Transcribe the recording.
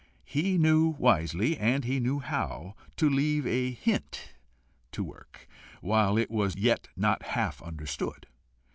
He knew wisely, and he knew how, to leave a hint to work while it was yet not half understood.